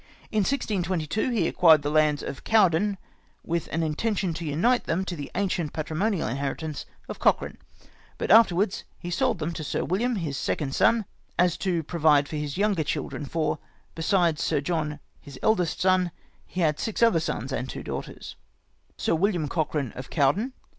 In 1622, he acqmred the lands of Cowdoun with an intention to unite them to the ancient patrimonial inheritance of Cochran ; but he afterwards sold them to Sir William, his second son, as a fund to provide his younger children ; for, besides Sir John, his eldest son, he had six other sons, and two daughters :" Sir William Cochran of Cowdoun.